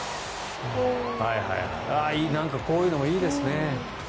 こういうのもいいですね。